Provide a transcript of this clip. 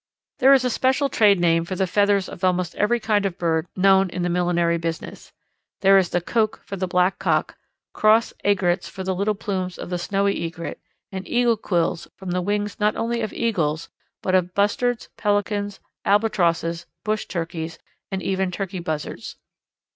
There is a special trade name for the feathers of almost every kind of bird known in the millinery business. Thus there is Coque for Black Cock, Cross Aigrettes for the little plumes of the Snowy Egret, and Eagle Quills from the wings not only of Eagles, but of Bustards, Pelicans, Albatrosses, Bush Turkeys, and even Turkey Buzzards.